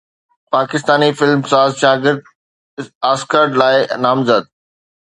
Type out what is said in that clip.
پاڪستاني فلم ساز شاگرد آسڪر لاءِ نامزد